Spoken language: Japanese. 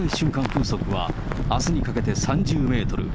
風速は、あすにかけて３０メートル。